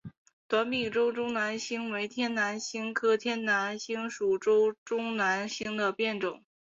短柄川中南星为天南星科天南星属川中南星的变种。